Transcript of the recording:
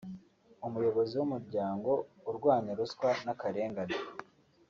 umuyobozi wumuryango urwanya ruswa nakarengane